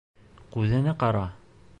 Күҙеңә ҡара.